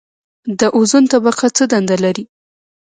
د اوزون طبقه څه دنده لري؟